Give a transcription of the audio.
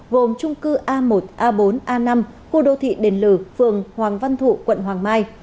gồm trung cư a một a bốn a năm khu đô thị đền lử phường hoàng văn thụ quận hoàng mai